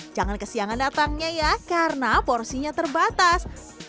jangan kesiangan datangnya ya karena porsinya terbatas